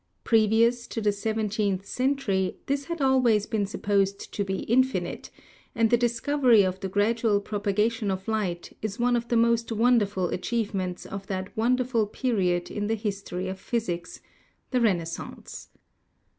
Previous to the seventeenth century this had always been supposed to be infinite, and the discovery of the gradual propagation of light is one of the most wonderful achievements of that wonderful period in the history of physics — the Renaissance.